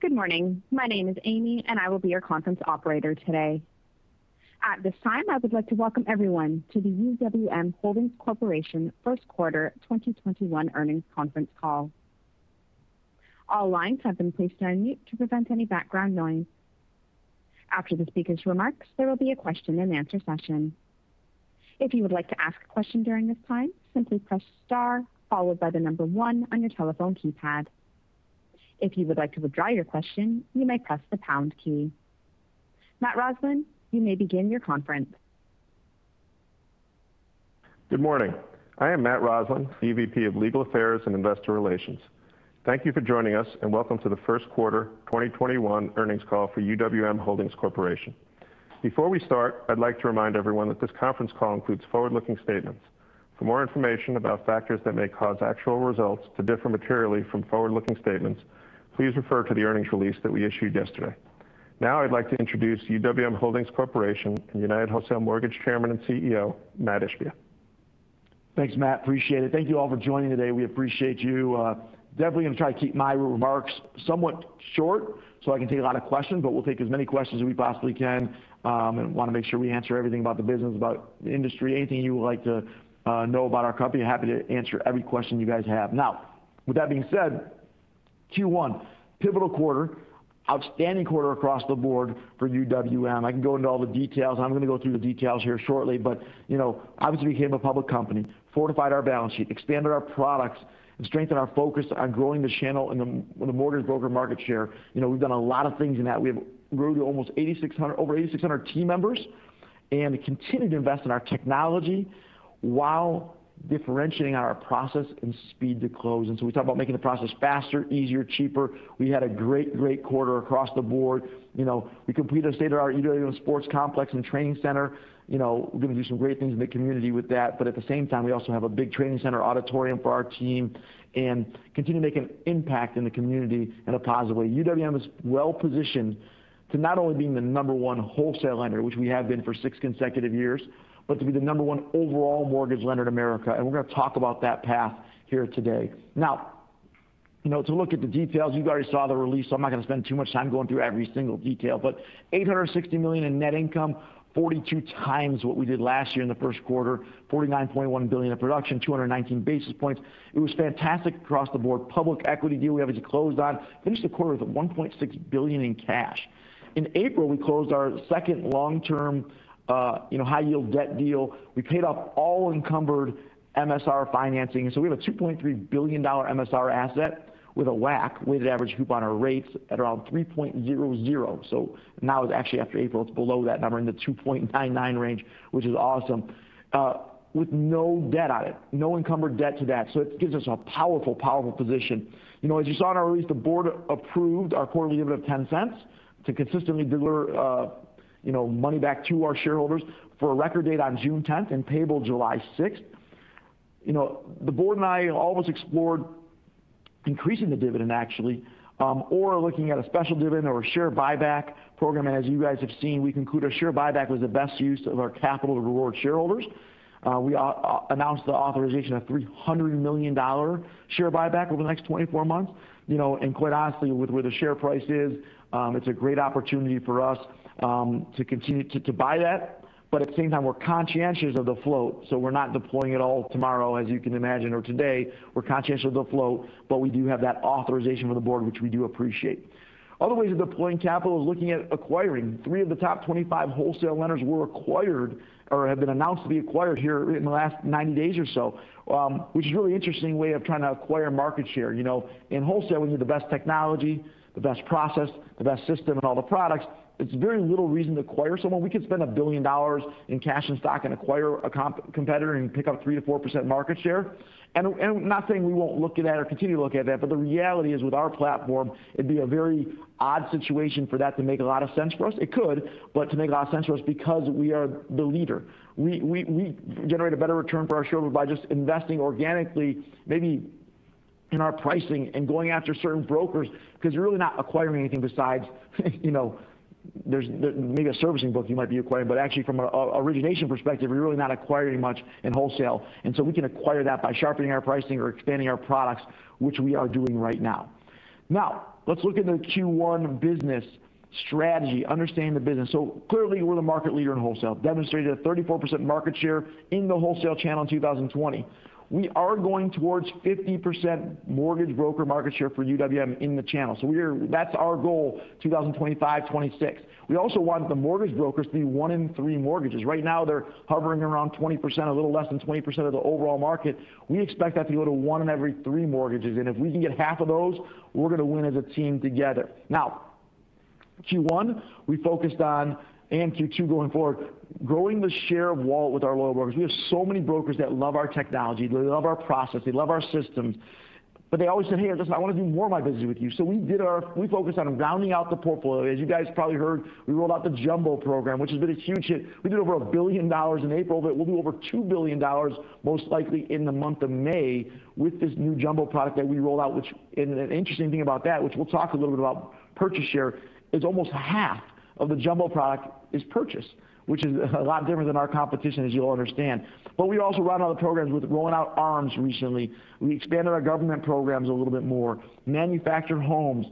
Good morning. My name is Amy, and I will be your conference operator today. At this time, I would like to welcome everyone to the UWM Holdings Corporation First Quarter 2021 Earnings Conference Call. All lines have been placed on mute to prevent any background noise. After the speaker's remarks, there will be a question and answer session. If you would like to ask a question during this time, simply press star followed by the number one on your telephone keypad. If you would like to withdraw your question, you may press the pound key. Matt Roslin, you may begin your conference. Good morning. I am Matt Roslin, the EVP of Legal Affairs and Investor Relations. Thank you for joining us, and welcome to the first quarter 2021 earnings call for UWM Holdings Corporation. Before we start, I'd like to remind everyone that this conference call includes forward-looking statements. For more information about factors that may cause actual results to differ materially from forward-looking statements, please refer to the earnings release that we issued yesterday. Now I'd like to introduce UWM Holdings Corporation and United Wholesale Mortgage Chairman and CEO, Mat Ishbia. Thanks, Matt. Appreciate it. Thank you all for joining today. We appreciate you. Definitely going to try to keep my remarks somewhat short so I can take a lot of questions, but we'll take as many questions as we possibly can, and want to make sure we answer everything about the business, about the industry, anything you would like to know about our company. Happy to answer every question you guys have. Now, with that being said, Q1. Pivotal quarter, outstanding quarter across the board for UWM. I can go into all the details. I'm going to go through the details here shortly, but obviously became a public company, fortified our balance sheet, expanded our products, and strengthened our focus on growing the channel and the mortgage broker market share. We've done a lot of things in that. We have grown to over 8,600 team members and continue to invest in our technology while differentiating our process and speed to close. We talk about making the process faster, easier, cheaper. We had a great quarter across the board. We completed our state-of-the-art UWM Sports Complex and Training Center. We're going to do some great things in the community with that, but at the same time, we also have a big training center auditorium for our team, and continue to make an impact in the community in a positive way. UWM is well positioned to not only being the number one wholesale lender, which we have been for six consecutive years, but to be the number one overall mortgage lender in America, and we're going to talk about that path here today. Now, you know, to look at the details. You guys already saw the release. I'm not going to spend too much time going through every single detail, but $860 million in net income, 42 times what we did last year in the first quarter, $49.1 billion in production, 219 basis points. It was fantastic across the board. Public equity deal we have just closed on. We finished the quarter with $1.6 billion in cash. In April, we closed our second long-term, high-yield debt deal. We paid off all encumbered MSR financing. We have a $2.3 billion MSR asset with a WAC, weighted average coupon on our rates at around 3.00%. Now it's actually after April, it's below that number in the 2.99% range, which is awesome, with no debt on it. No encumbered debt to that. It gives us a powerful position. As you saw in our release, the board approved our quarterly dividend of $0.10 to consistently deliver money back to our shareholders for a record date on June 10th and payable July 6th. The board and I always explored increasing the dividend actually, or looking at a special dividend or a share buyback program, and as you guys have seen, we concluded a share buyback was the best use of our capital to reward shareholders. We announced the authorization of $300 million share buyback over the next 24 months. Quite honestly, with where the share price is, it's a great opportunity for us to continue to buy that. But at the same time, we're conscientious of the flow, so we're not deploying it all tomorrow, as you can imagine, or today. We're conscientious of the flow, but we do have that authorization from the board, which we do appreciate. Other ways of deploying capital is looking at acquiring. Three of the top 25 wholesale lenders were acquired, or have been announced to be acquired here in the last 90 days or so, which is a really interesting way of trying to acquire market share. In wholesale, we have the best technology, the best process, the best system, and all the products. There's very little reason to acquire someone. We could spend $1 billion in cash and stock and acquire a competitor and pick up 3%-4% market share. I'm not saying we won't look at that or continue to look at that, but the reality is with our platform, it'd be a very odd situation for that to make a lot of sense for us. It could, but to make a lot of sense for us because we are the leader. We generate a better return for our shareholders by just investing organically, maybe in our pricing and going after certain brokers because you're really not acquiring anything besides maybe a servicing book you might be acquiring, but actually from an origination perspective, we're really not acquiring much in wholesale. So, we can acquire that by sharpening our pricing or expanding our products, which we are doing right now. Now, let's look at the Q1 business strategy, understand the business. Clearly we're the market leader in wholesale. Demonstrated a 34% market share in the wholesale channel in 2020. We are going towards 50% mortgage broker market share for UWM in the channel. That's our goal, 2025, 2026. We also want the mortgage brokers to be one in three mortgages. Right now they're hovering around 20%, a little less than 20% of the overall market. We expect that to go to one in every three mortgages. If we can get half of those, we're going to win as a team together. Now, Q1, we focused on, and Q2 going forward, growing the share of wallet with our loyal brokers. We have so many brokers that love our technology, they love our process, they love our systems. They always say, "Hey, listen, I want to do more of my business with you." We focused on rounding out the portfolio. You guys probably heard, we rolled out the jumbo program, which has been a huge hit. We did over $1 billion in April, but we'll do over $2 billion most likely in the month of May with this new jumbo product that we rolled out. An interesting thing about that, which we'll talk a little bit about purchase share, is almost half of the jumbo product is purchase, which is a lot different than our competition, as you'll understand. We also run other programs. We've rolling out ARMs recently. We expanded our government programs a little bit more. Manufactured homes.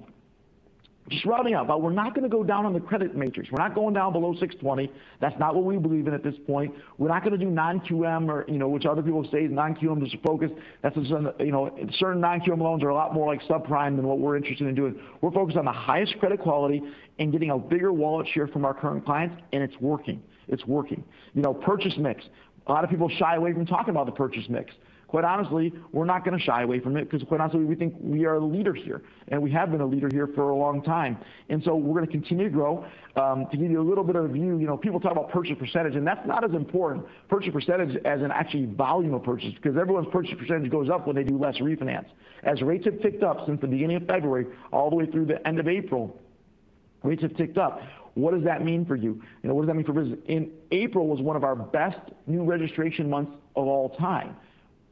Just rounding out, but we're not going to go down on the credit matrix. We're not going down below 620. That's not what we believe in at this point. We're not going to do non-QM, which other people say non-QM is the focus. Certain non-QM loans are a lot more like subprime than what we're interested in doing. We're focused on the highest credit quality and getting a bigger wallet share from our current clients. It's working. It's working. Purchase mix. A lot of people shy away from talking about the purchase mix. Quite honestly, we're not going to shy away from it because, quite honestly, we think we are the leaders here, and we have been a leader here for a long time. So, we're going to continue to grow. To give you a little bit of a view, people talk about purchase percentage, and that's not as important, purchase percentage as in actually volume of purchase, because everyone's purchase percentage goes up when they do less refinance. As rates have ticked up since the beginning of February all the way through the end of April, rates have ticked up. What does that mean for you? What does that mean for business? April was one of our best new registration months of all time.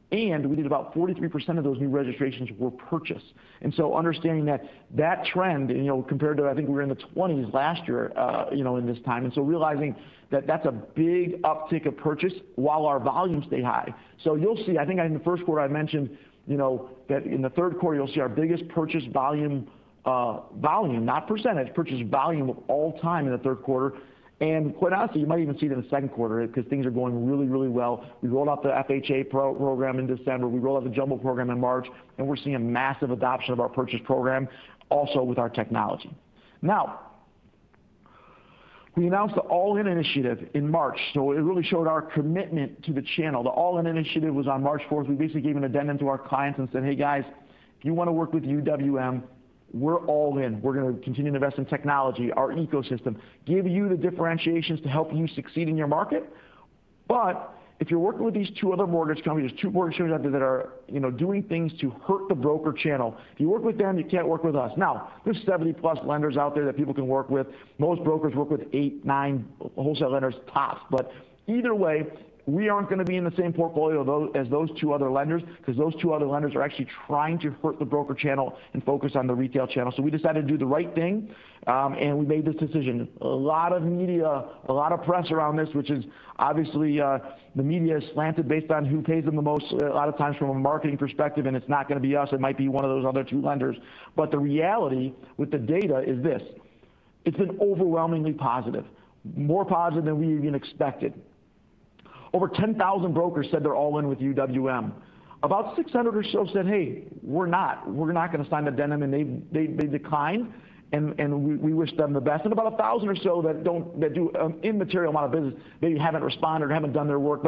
We did about 43% of those new registrations were purchase. Understanding that trend, compared to, I think we were in the 20s last year in this time. Realizing that that's a big uptick of purchase while our volume stayed high. So you'll see, I think in the first quarter I mentioned that in the third quarter you'll see our biggest purchase volume, not percentage, purchase volume of all time in the third quarter. Quite honestly, you might even see it in the second quarter because things are going really, really well. We rolled out the FHA program in December. We rolled out the jumbo program in March. We're seeing a massive adoption of our purchase program also with our technology. Now, we announced the All-In initiative in March, so it really showed our commitment to the channel. The All-In initiative was on March 4th. We basically gave an addendum to our clients and said, "Hey, guys, if you want to work with UWM, we're all in. We're going to continue to invest in technology, our ecosystem, give you the differentiations to help you succeed in your market. But if you're working with these two other mortgage companies, there's two mortgage companies out there that are doing things to hurt the broker channel. If you work with them, you can't work with us." Now, there's 70+ lenders out there that people can work with. Most brokers work with eight, nine wholesale lenders tops. But either way, we aren't going to be in the same portfolio as those two other lenders because those two other lenders are actually trying to hurt the broker channel and focus on the retail channel. We decided to do the right thing, and we made this decision. A lot of media, a lot of press around this, which is obviously the media is slanted based on who pays them the most, a lot of times from a marketing perspective, and it's not going to be us. It might be one of those other two lenders. The reality with the data is this: It's been overwhelmingly positive, more positive than we even expected. Over 10,000 brokers said they're All-In with UWM. About 600 brokers or so said, "Hey, we're not. We're not going to sign the addendum," and they declined, and we wish them the best. About 1,000 or so that do an immaterial amount of business, they haven't responded or haven't done their work.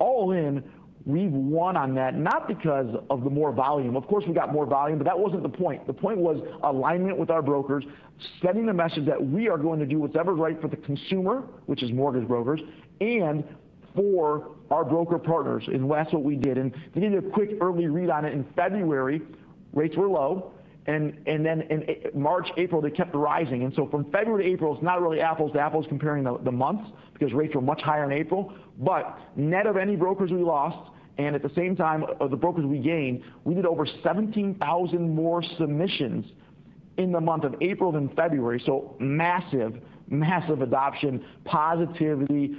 All-In, we've won on that, not because of the more volume. Of course, we got more volume, but that wasn't the point. The point was alignment with our brokers, sending the message that we are going to do what's ever right for the consumer, which is mortgage brokers, and for our broker partners, and that's what we did. To give you a quick early read on it, in February, rates were low, in March, April, they kept rising. From February to April, it's not really apples to apples comparing the months because rates were much higher in April. Net of any brokers we lost, and at the same time of the brokers we gained, we did over 17,000 more submissions in the month of April than February. So, massive adoption, positivity.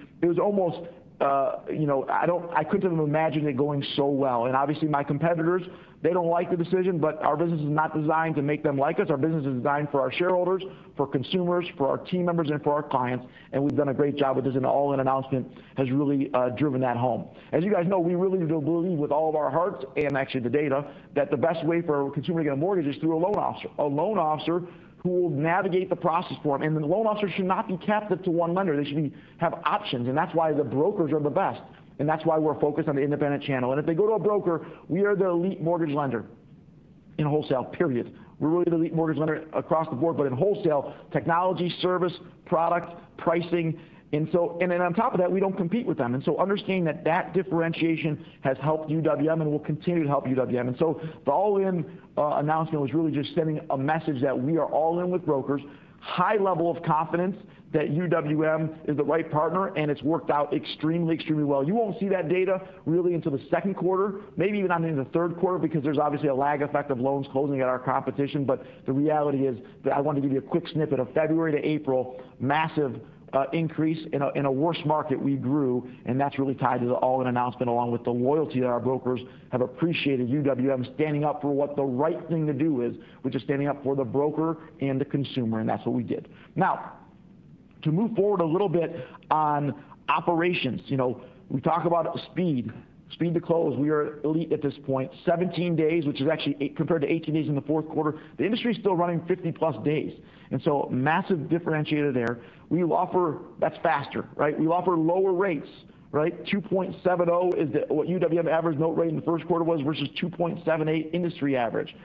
I couldn't have imagined it going so well. Obviously, my competitors, they don't like the decision, but our business is not designed to make them like us. Our business is designed for our shareholders, for consumers, for our team members, and for our clients, and we've done a great job with this, and the All-In announcement has really driven that home. As you guys know, we really do believe with all of our hearts and actually the data that the best way for a consumer to get a mortgage is through a loan officer, a loan officer who will navigate the process for them. The loan officer should not be captive to one lender. They should have options, and that's why the brokers are the best. That's why we're focused on the independent channel. If they go to a broker, we are their elite mortgage lender in wholesale, period. We're really the elite mortgage lender across the board, but in wholesale, technology, service, product, pricing. On top of that, we don't compete with them. Understanding that that differentiation has helped UWM and will continue to help UWM. So, the All-In announcement was really just sending a message that we are All-In with brokers, high level of confidence that UWM is the right partner, and it's worked out extremely well. You won't see that data really until the second quarter, maybe even not into the third quarter because there's obviously a lag effect of loans closing at our competition. The reality is that I wanted to give you a quick snippet of February to April, massive increase. In a worse market, we grew. That's really tied to the All-In announcement, along with the loyalty that our brokers have appreciated UWM standing up for what the right thing to do is, which is standing up for the broker and the consumer. That's what we did. Now, to move forward a little bit on operations. We talk about speed to close. We are elite at this point, 17 days, which is actually compared to 18 days in the fourth quarter. The industry is still running 50+ days. Massive differentiator there. That's faster, right? We offer lower rates, right? 2.70% is what UWM average note rate in the first quarter was versus 2.78% industry average.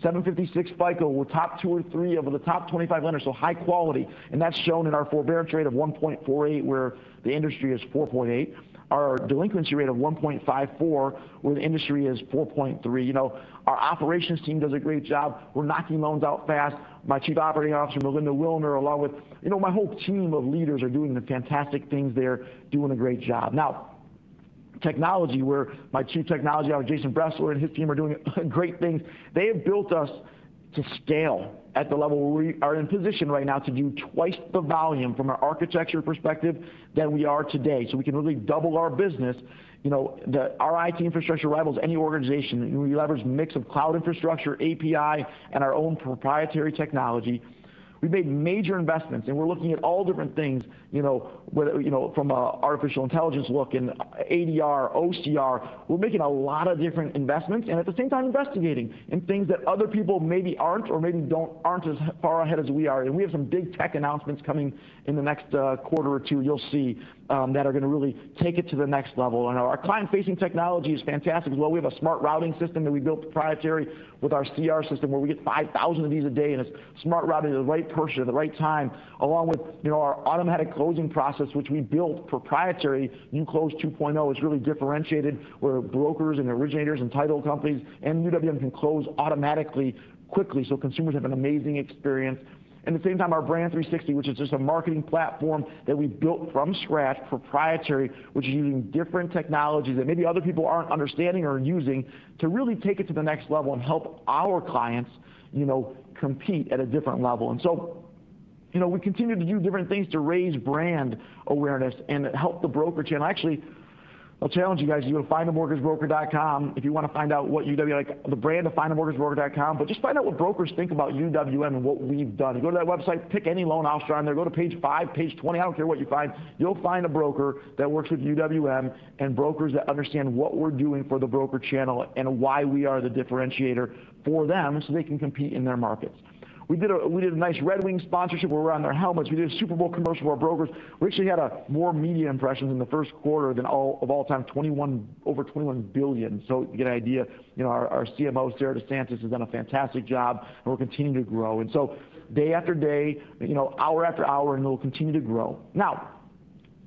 756 FICO. We're top two or three of the top 25 lenders, high quality. That's shown in our forbearance rate of 1.48%, where the industry is 4.8%. Our delinquency rate of 1.54%, where the industry is 4.3%. Our operations team does a great job. We're knocking loans out fast. My Chief Operating Officer, Melinda Wilner, along with my whole team of leaders are doing fantastic things there, doing a great job. Technology, where my Chief Technology Officer, Jason Bressler, and his team are doing great things. They have built us to scale at the level where we are in position right now to do twice the volume from an architecture perspective than we are today. We can really double our business. Our IT infrastructure rivals any organization. We leverage a mix of cloud infrastructure, API, and our own proprietary technology. We've made major investments, and we're looking at all different things from an artificial intelligence look, and ADR, OCR. We're making a lot of different investments, at the same time investigating in things that other people maybe aren't or maybe aren't as far ahead as we are. We have some big tech announcements coming in the next quarter or two you'll see that are going to really take it to the next level. Our client-facing technology is fantastic as well. We have a smart routing system that we built proprietary with our CRM system, where we get 5,000 of these a day, and it's smart routed to the right person at the right time, along with our automatic closing process, which we built proprietary, UClose 2.0. It's really differentiated, where brokers and originators and title companies and UWM can close automatically, quickly, so consumers have an amazing experience. At the same time, our Brand 360, which is just a marketing platform that we built from scratch, proprietary, which is using different technologies that maybe other people aren't understanding or using to really take it to the next level and help our clients compete at a different level. So, we continue to do different things to raise brand awareness and help the broker channel. Actually, I'll challenge you guys to go to findamortgagebroker.com if you want to find out what UWM-- the brand of findamortgagebroker.com, but just find out what brokers think about UWM and what we've done. Go to that website, pick any loan officer on there. Go to page five, page 20, I don't care what you find. You'll find a broker that works with UWM and brokers that understand what we're doing for the broker channel and why we are the differentiator for them so they can compete in their markets. We did a nice Red Wings sponsorship. We're on their helmets. We did a Super Bowl commercial for our brokers. We actually got more media impressions in the first quarter than of all time, over 21 billion. You get an idea. Our CMO, Sarah DeCiantis, has done a fantastic job, and we're continuing to grow. Day after day, hour after hour, and we'll continue to grow.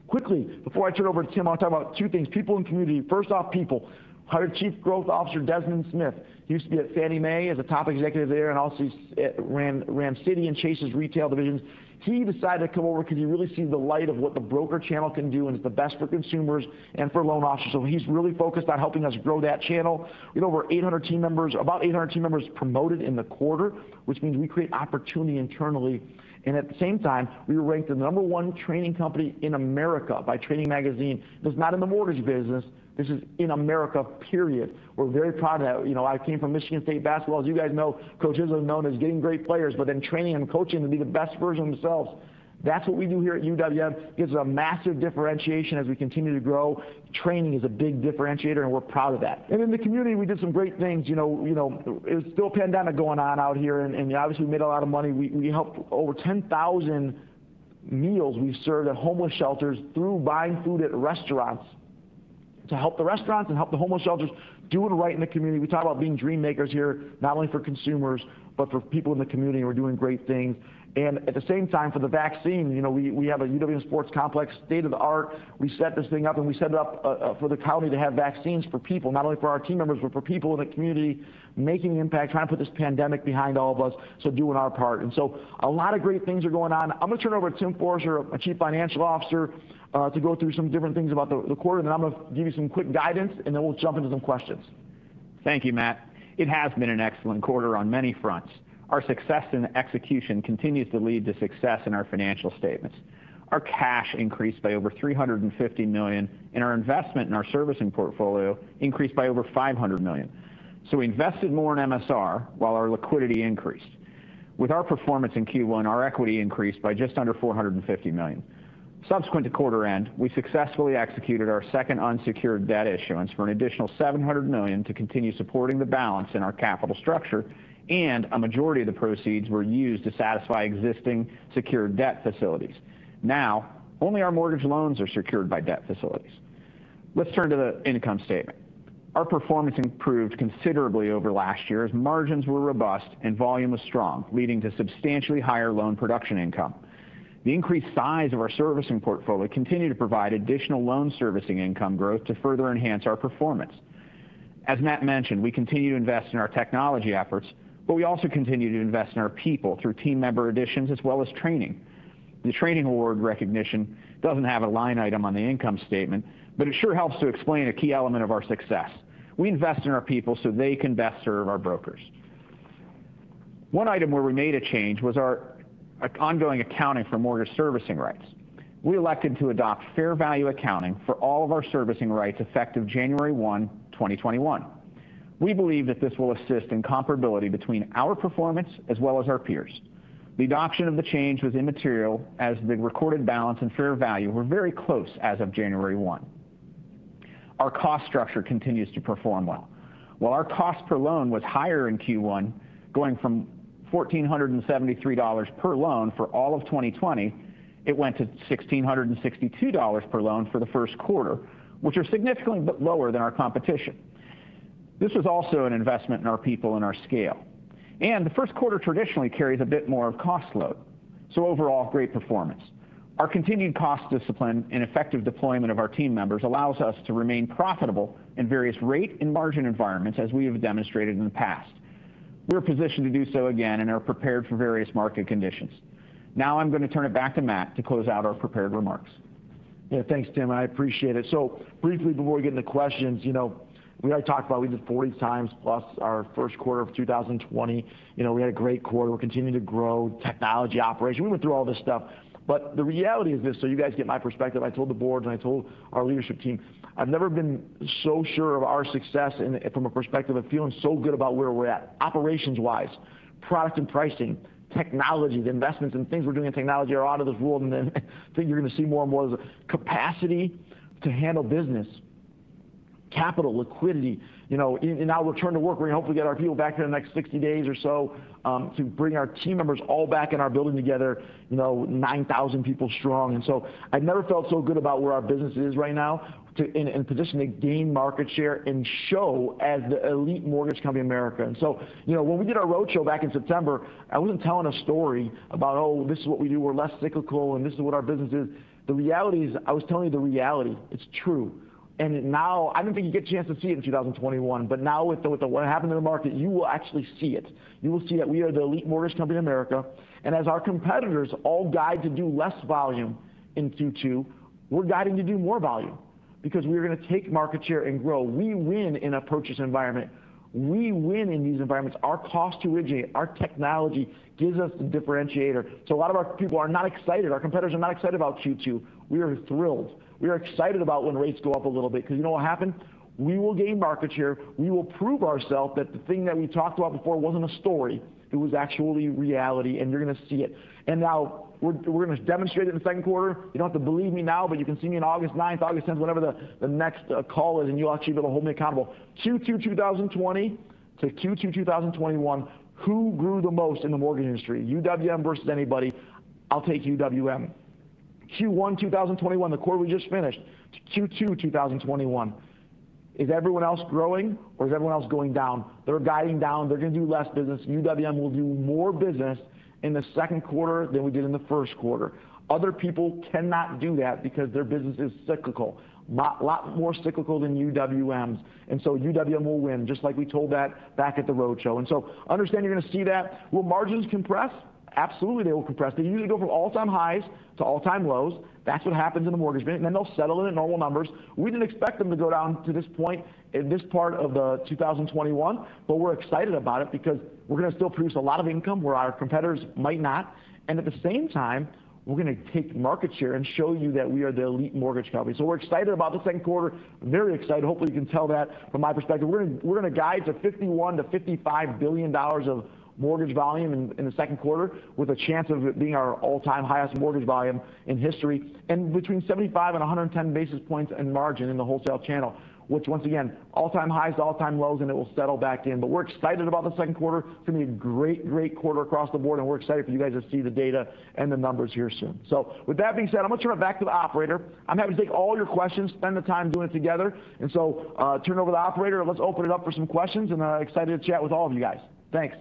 Quickly, before I turn it over to Tim, I want to talk about two things, people and community. First off, people. Hired Chief Growth Officer, Desmond Smith. He used to be at Fannie Mae as a top executive there, and also he ran Citi and Chase's retail divisions. He decided to come over because he really seen the light of what the broker channel can do, and it's the best for consumers and for loan officers. He's really focused on helping us grow that channel. We had over 800 team members, about 800 team members promoted in the quarter, which means we create opportunity internally. At the same time, we were ranked the number one training company in America by Training Magazine. This is not in the mortgage business. This is in America, period. We're very proud of that. I came from Michigan State basketball. As you guys know, coaches are known as getting great players, but then training and coaching to be the best version of themselves. That's what we do here at UWM. It gives a massive differentiation as we continue to grow. Training is a big differentiator, and we're proud of that. In the community, we did some great things. There's still a pandemic going on out here, and obviously we made a lot of money. We helped over 10,000 meals we served at homeless shelters through buying food at restaurants to help the restaurants and help the homeless shelters doing right in the community. We talk about being dream makers here, not only for consumers, but for people in the community who are doing great things. At the same time, for the vaccine we have a UWM sports complex, state-of-the-art. We set this thing up, and we set it up for the county to have vaccines for people, not only for our team members, but for people in the community making an impact, trying to put this pandemic behind all of us. Doing our part. A lot of great things are going on. I'm going to turn it over to Tim Forrester, our Chief Financial Officer, to go through some different things about the quarter, then I'm going to give you some quick guidance, and then we'll jump into some questions. Thank you, Mat. It has been an excellent quarter on many fronts. Our success in execution continues to lead to success in our financial statements. Our cash increased by over $350 million, and our investment in our servicing portfolio increased by over $500 million. So we invested more in MSR while our liquidity increased. With our performance in Q1, our equity increased by just under $450 million. Subsequent to quarter end, we successfully executed our second unsecured debt issuance for an additional $700 million to continue supporting the balance in our capital structure, and a majority of the proceeds were used to satisfy existing secured debt facilities. Now, only our mortgage loans are secured by debt facilities. Let's turn to the income statement. Our performance improved considerably over last year as margins were robust and volume was strong, leading to substantially higher loan production income. The increased size of our servicing portfolio continued to provide additional loan servicing income growth to further enhance our performance. As Mat mentioned, we continue to invest in our technology efforts, but we also continue to invest in our people through team member additions as well as training. The Training award recognition doesn't have a line item on the income statement, but it sure helps to explain a key element of our success. We invest in our people so they can best serve our brokers. One item where we made a change was our ongoing accounting for mortgage servicing rights. We elected to adopt fair value accounting for all of our servicing rights effective January 1, 2021. We believe that this will assist in comparability between our performance as well as our peers. The adoption of the change was immaterial as the recorded balance and fair value were very close as of January 1. Our cost structure continues to perform well. While our cost per loan was higher in Q1, going from $1,473 per loan for all of 2020, it went to $1,662 per loan for the first quarter, which are significantly lower than our competition. This was also an investment in our people and our scale. The first quarter traditionally carries a bit more of cost load. Overall, great performance. Our continued cost discipline and effective deployment of our team members allows us to remain profitable in various rate and margin environments as we have demonstrated in the past. We're positioned to do so again and are prepared for various market conditions. Now I'm going to turn it back to Mat to close out our prepared remarks. Yeah, thanks, Tim. I appreciate it. Briefly, before we get into questions, we already talked about we did 40 times plus our first quarter of 2020. We had a great quarter. We're continuing to grow technology operation. We went through all this stuff. But the reality is this, so you guys get my perspective. I told the board and I told our leadership team, I've never been so sure of our success from a perspective of feeling so good about where we're at operations-wise, product and pricing, technology, the investments and things we're doing in technology are out of this world, and then things you're going to see more and more is capacity to handle business, capital, liquidity. In our return to work, we're going to hopefully get our people back here in the next 60 days or so, to bring our team members all back in our building together, 9,000 people strong. I've never felt so good about where our business is right now to in position to gain market share and show as the elite mortgage company in America. When we did our roadshow back in September, I wasn't telling a story about, "Oh, this is what we do. We're less cyclical, and this is what our business is." The reality is I was telling you the reality. It's true. Now, I didn't think you'd get a chance to see it in 2021, but now with what happened in the market, you will actually see it. You will see that we are the elite mortgage company in America, and as our competitors all guide to do less volume in Q2, we're guiding to do more volume because we are going to take market share and grow. We win in a purchase environment. We win in these environments. Our cost to originate, our technology gives us the differentiator. A lot of our people are not excited. Our competitors are not excited about Q2. We are thrilled. We are excited about when rates go up a little bit because you know what happened? We will gain market share. We will prove ourself that the thing that we talked about before wasn't a story, it was actually reality, and you're going to see it. Now we're going to demonstrate it in the second quarter. You don't have to believe me now, but you can see me on August 9th, August 10th, whenever the next call is, and you'll actually be able to hold me accountable. Q2 2020 to Q2 2021, who grew the most in the mortgage industry? UWM versus anybody. I'll take UWM. Q1 2021, the quarter we just finished, to Q2 2021. Is everyone else growing or is everyone else going down? They're guiding down. They're going to do less business. UWM will do more business in the second quarter than we did in the first quarter. Other people cannot do that because their business is cyclical. A lot more cyclical than UWM's. UWM will win, just like we told that back at the roadshow. Understand you're going to see that. Will margins compress? Absolutely, they will compress. They usually go from all-time highs to all-time lows. That's what happens in the mortgage business. They'll settle into normal numbers. We didn't expect them to go down to this point in this part of 2021, we're excited about it because we're going to still produce a lot of income where our competitors might not. At the same time, we're going to take market share and show you that we are the elite mortgage company. So, we're excited about the second quarter. Very excited. Hopefully, you can tell that from my perspective. We're going to guide to $51 billion-$55 billion of mortgage volume in the second quarter with a chance of it being our all-time highest mortgage volume in history, and between 75 basis points and 110 basis points in margin in the wholesale channel, which once again, all-time highs to all-time lows, and it will settle back in. We're excited about the second quarter. It's going to be a great quarter across the board, and we're excited for you guys to see the data and the numbers here soon. With that being said, I'm going to turn it back to the operator. I'm happy to take all your questions, spend the time doing it together. Turn it over to the operator, and let's open it up for some questions, and excited to chat with all of you guys. Thanks.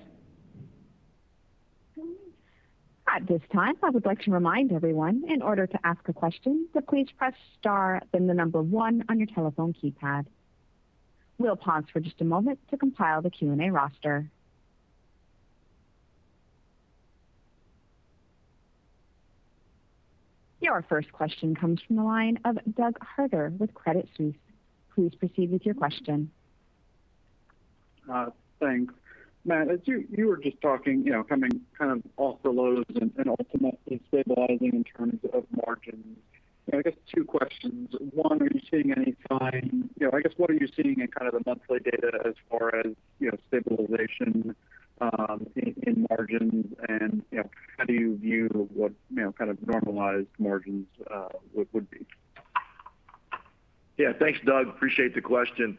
At this time, our operator remind everyone, in order to ask a question, please press star and the number one on your telephone keypad. We'll pause for just a moment to compile the Q&A roster. Your first question comes from the line of Doug Harter with Credit Suisse. Please proceed with your question. Thanks. Mat, as you were just talking, coming kind of off the lows and ultimately stabilizing in terms of margins. I guess two questions. One, I guess what are you seeing in kind of the monthly data as far as stabilization in margins? How do you view what kind of normalized margins would be? Thanks, Doug. Appreciate the question.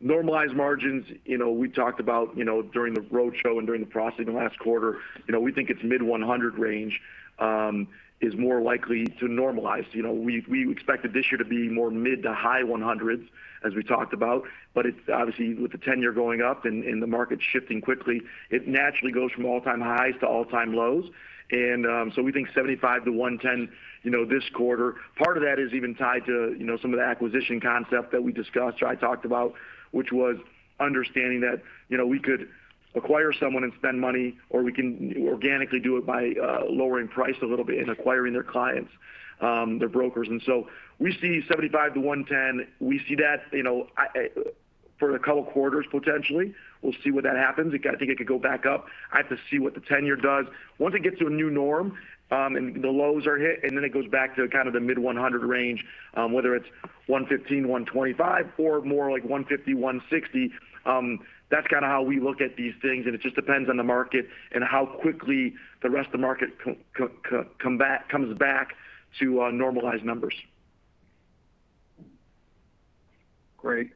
Normalized margins, we talked about during the roadshow and during the process in the last quarter. We think it's mid 100 basis point range is more likely to normalize. We expected this year to be more mid to high 100s basis points, as we talked about. It's obviously with the tenure going up and the market shifting quickly, it naturally goes from all-time highs to all-time lows. We think 75 basis points to 110 basis points this quarter. Part of that is even tied to some of the acquisition concept that we discussed, or I talked about, which was understanding that we could acquire someone and spend money, or we can organically do it by lowering price a little bit and acquiring their clients, their brokers. We see 75 basis points to 110 basis points. We see that for a couple of quarters potentially. We'll see when that happens. I think it could go back up. I have to see what the 10-year does. Once it gets to a new norm, and the lows are hit, and then it goes back to kind of the mid 100 range, whether it's 115 basis points, 125 basis points, or more like 150 basis points, 160 basis points. That's kind of how we look at these things, and it just depends on the market and how quickly the rest of the market comes back to normalized numbers. Great.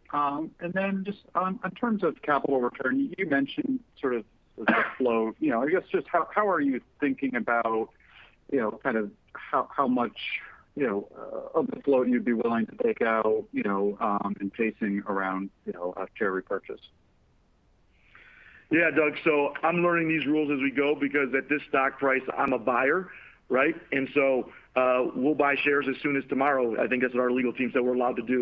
Just on terms of capital return, you mentioned sort of the flow. I guess just how are you thinking about kind of how much of the flow you'd be willing to take out and chasing around share repurchase? Yeah, Doug. I'm learning these rules as we go because at this stock price, I'm a buyer, right. We'll buy shares as soon as tomorrow. I think that's what our legal team said we're allowed to do.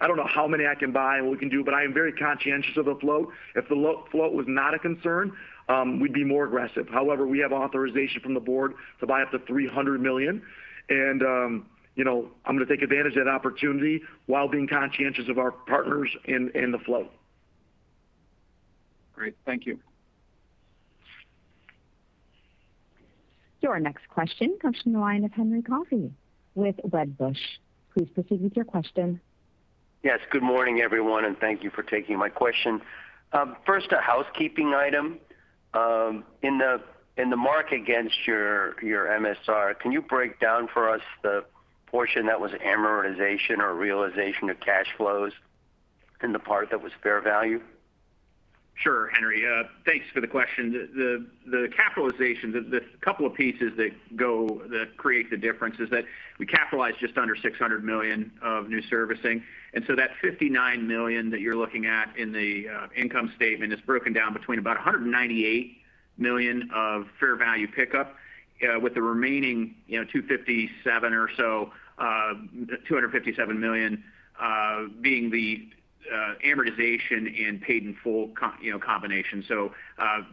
I don't know how many I can buy and what we can do, but I am very conscientious of the float. If the float was not a concern, we'd be more aggressive. However, we have authorization from the board to buy up to $300 million and I'm going to take advantage of that opportunity while being conscientious of our partners and the float. Great. Thank you. Your next question comes from the line of Henry Coffey with Wedbush. Please proceed with your question. Yes. Good morning, everyone. Thank you for taking my question. First, a housekeeping item. In the mark against your MSR, can you break down for us the portion that was amortization or realization of cash flows and the part that was fair value? Sure, Henry. Thanks for the question. The capitalization, the couple of pieces that create the difference is that we capitalized just under $600 million of new servicing. That $59 million that you're looking at in the income statement is broken down between about $198 million of fair value pickup, with the remaining, $257 million or so, the $257 million, being the amortization in paid in full combination.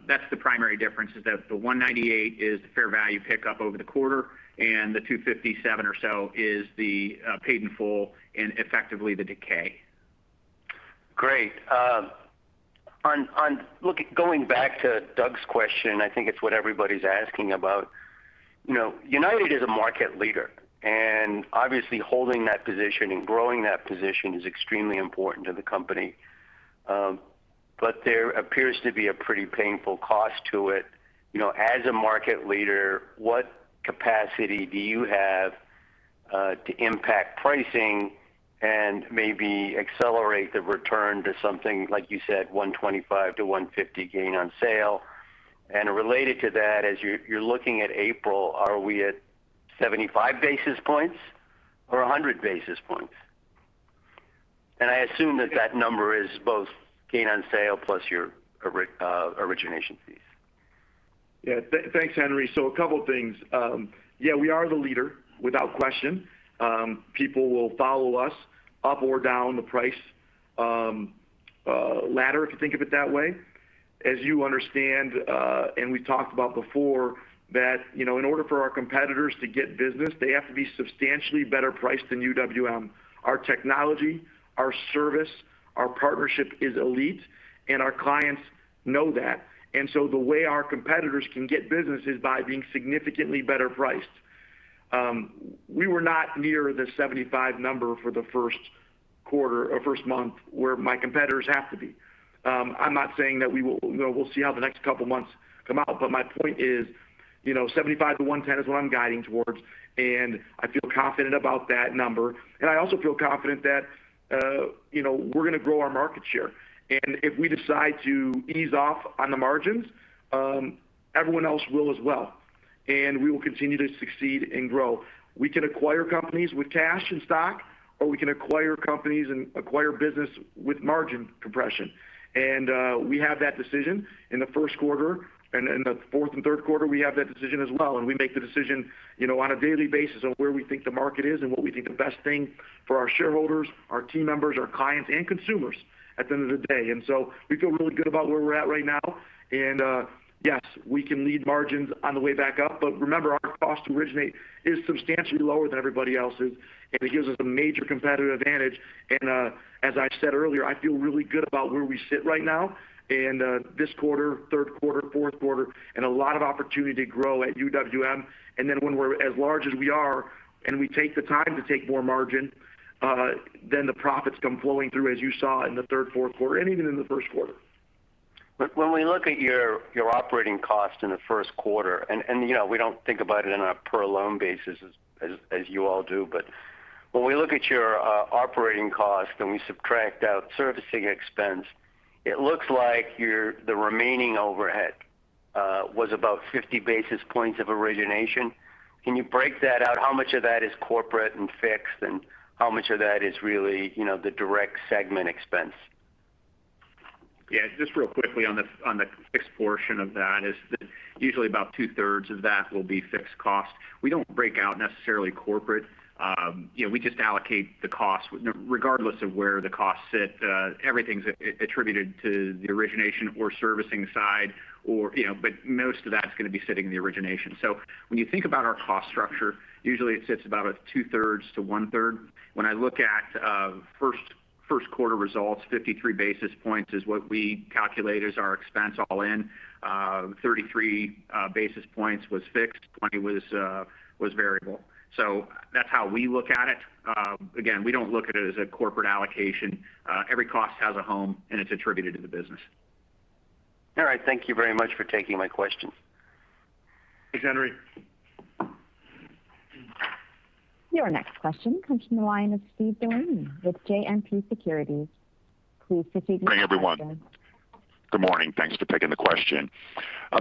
That's the primary difference is that the $198 million is the fair value pickup over the quarter, and the $257 million or so is the paid in full in effectively the decay. Great. Going back to Doug's question, I think it's what everybody's asking about. United is a market leader. Obviously holding that position and growing that position is extremely important to the company. There appears to be a pretty painful cost to it. As a market leader, what capacity do you have to impact pricing and maybe accelerate the return to something like you said, $125-$150 gain on sale? Related to that, as you're looking at April, are we at 75 basis points or 100 basis points? I assume that that number is both gain on sale plus your origination fees. Thanks, Henry. A couple things. We are the leader, without question. People will follow us up or down the price ladder, if you think of it that way. As you understand, we talked about before, that in order for our competitors to get business, they have to be substantially better priced than UWM. Our technology, our service, our partnership is elite, our clients know that. The way our competitors can get business is by being significantly better priced. We were not near the 75 basis points number for the first quarter or first month where my competitors have to be. We'll see how the next couple months come out, my point is, 75 basis point to 110 basis points is what I'm guiding towards, I feel confident about that number. I also feel confident that we're going to grow our market share. If we decide to ease off on the margins, everyone else will as well, and we will continue to succeed and grow. We can acquire companies with cash and stock, or we can acquire companies and acquire business with margin compression. We have that decision in the first quarter and in the fourth and third quarter, we have that decision as well. We make the decision on a daily basis on where we think the market is and what we think the best thing for our shareholders, our team members, our clients, and consumers at the end of the day. We feel really good about where we're at right now. Yes, we can lead margins on the way back up, but remember, our cost to originate is substantially lower than everybody else's, and it gives us a major competitive advantage. As I said earlier, I feel really good about where we sit right now in this quarter, third quarter, fourth quarter, and a lot of opportunity to grow at UWM. Then when we're as large as we are, and we take the time to take more margin, then the profits come flowing through as you saw in the third, fourth quarter, and even in the first quarter. When we look at your operating cost in the first quarter, and we don't think about it on a per loan basis as you all do, but when we look at your operating cost and we subtract out servicing expense, it looks like the remaining overhead was about 50 basis points of origination. Can you break that out? How much of that is corporate and fixed, and how much of that is really the direct segment expense? Yeah. Just real quickly on the fixed portion of that is that usually about 2/3 of that will be fixed cost. We don't break out necessarily corporate. We just allocate the cost regardless of where the costs sit. Everything's attributed to the origination or servicing side, but most of that's going to be sitting in the origination. When you think about our cost structure, usually it sits about 2/3 to 1/3. When I look at first quarter results, 53 basis points is what we calculate as our expense all in. 33 basis points was fixed, 20 basis points was variable. That's how we look at it. Again, we don't look at it as a corporate allocation. Every cost has a home, and it's attributed to the business. All right. Thank you very much for taking my question. Thanks, Henry. Your next question comes from the line of Steven DeLaney with JMP Securities. Please proceed with your question. Good morning, everyone. Good morning. Thanks for taking the question.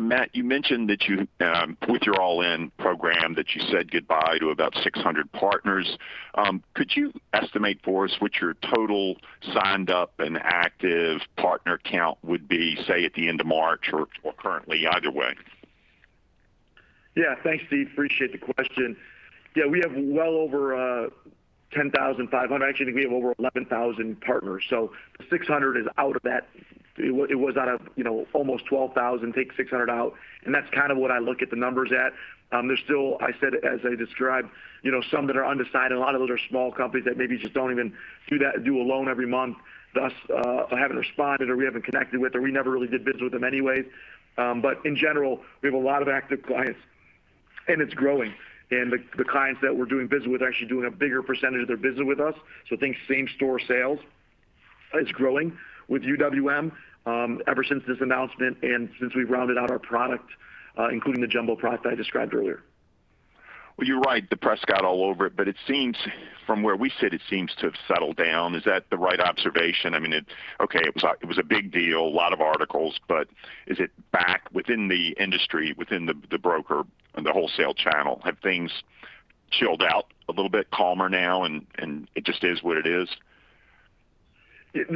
Mat, you mentioned that with your All-In program, that you said goodbye to about 600 partners. Could you estimate for us what your total signed up and active partner count would be, say, at the end of March or currently, either way? Yeah. Thanks, Steve. Appreciate the question. Yeah, we have well over 10,500 partners. Actually, I think we have over 11,000 partners. 600 partners is out of that. It was out of almost 12,000 partners, take 600 partners out, and that's kind of what I look at the numbers at. There's still, I said as I described, some that are undecided, and a lot of those are small companies that maybe just don't even do a loan every month, thus haven't responded, or we haven't connected with, or we never really did business with them anyway. In general, we have a lot of active clients, and it's growing. The clients that we're doing business with are actually doing a bigger percentage of their business with us. Think same store sales is growing with UWM, ever since this announcement and since we've rounded out our product, including the jumbo product I described earlier. Well, you're right, the press got all over it, but from where we sit, it seems to have settled down. Is that the right observation? I mean, okay, it was a big deal, a lot of articles, but is it back within the industry, within the broker and the wholesale channel? Have things chilled out a little bit, calmer now, and it just is what it is?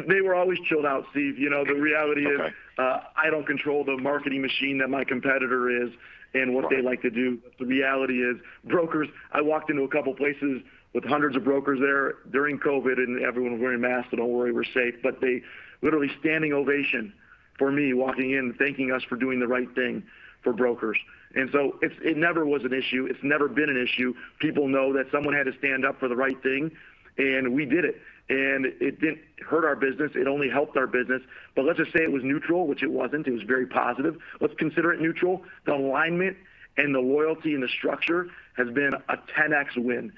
They were always chilled out, Steve. The reality is. Okay I don't control the marketing machine that my competitor is and what they like to do. The reality is brokers, I walked into a couple places with hundreds of brokers there during COVID, and everyone was wearing masks, so don't worry, we're safe. They literally standing ovation for me walking in, thanking us for doing the right thing for brokers. It never was an issue. It's never been an issue. People know that someone had to stand up for the right thing, and we did it. It didn't hurt our business. It only helped our business. Let's just say it was neutral, which it wasn't, it was very positive. Let's consider it neutral. The alignment and the loyalty and the structure has been a 10x win.